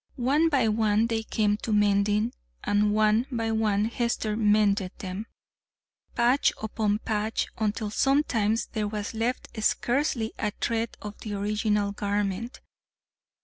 One by one they came to mending, and one by one Hester mended them, patch upon patch, until sometimes there was left scarcely a thread of the original garment.